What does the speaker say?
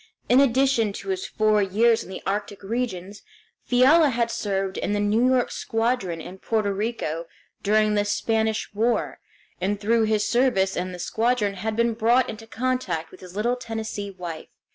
In addition to his four years in the arctic regions, Fiala had served in the New York Squadron in Porto Rico during the Spanish War, and through his service in the squadron had been brought into contact with his little Tennessee wife.